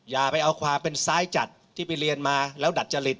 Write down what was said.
อย่าไปเอาความเป็นซ้ายจัดที่ไปเรียนมาแล้วดัดจริต